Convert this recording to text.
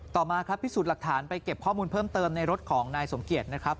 ต่อมาครับพิสูจน์หลักฐานไปเก็บข้อมูลเพิ่มเติมในรถของนายสมเกียจนะครับ